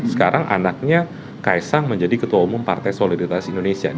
sekarang anaknya kaisang menjadi ketua umum partai solidaritas indonesia